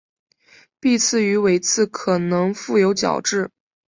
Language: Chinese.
臀刺与尾刺可能覆有角质。